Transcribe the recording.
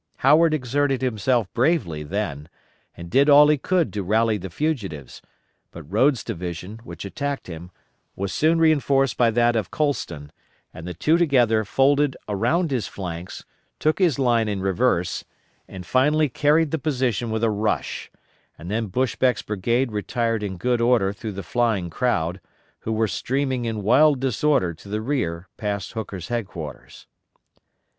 Howard exerted himself bravely then, and did all he could to rally the fugitives; but Rodes' division, which attacked him, was soon reinforced by that of Colston, and the two together folded around his flanks, took his line in reverse, and finally carried the position with a rush; and then Buschbeck's brigade retired in good order through the flying crowd, who were streaming in wild disorder to the rear past Hooker's headquarters.